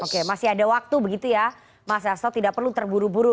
oke masih ada waktu begitu ya mas hasto tidak perlu terburu buru